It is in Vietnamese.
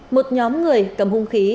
một nhóm người cầm hung khí